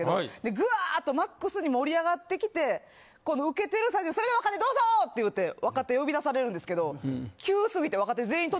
ぐわっとマックスに盛り上がってきてこのウケてる最中に「それでは若手どうぞ！」って言うて若手呼び出されるんですけど。